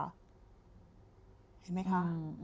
เห็นไหมคะ